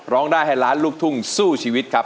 ร้องได้ให้ล้านลูกทุ่งสู้ชีวิตครับ